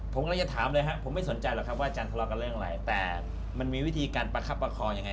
ผมกำลังจะถามเลยครับผมไม่สนใจหรอกครับว่าอาจารย์ทะเลาะกันเรื่องอะไรแต่มันมีวิธีการประคับประคองยังไง